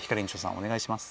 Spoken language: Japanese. お願いします。